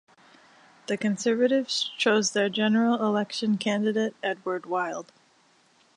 The Conservatives chose their general election candidate Edward Wild.